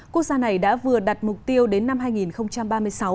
quốc gia này đã vừa đặt mục tiêu đến năm hai nghìn ba mươi sáu